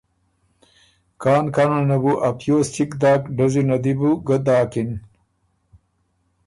کان کانه بُو ا پیوز چِګ داک ډزی ن دی بو ګۀ داکِن۔